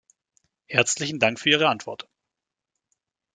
Herzlichen Dank für Ihre Antwort!